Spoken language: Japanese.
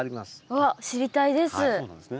あっ知りたいです。